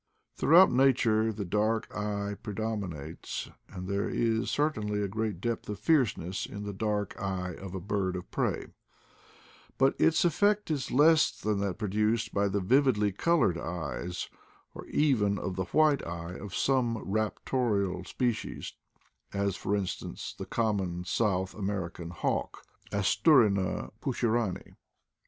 Throughout nature the dark eye predominates; and there is certainly a great depth of fierceness in the dark eye of a bird of prey; but its effect is less than that produced by the vividly colored eye, or even of the white eye of some raptorial species, as, for instance, of the common South American hawk, Asturina CONCEENINO EYES 181 pucherani.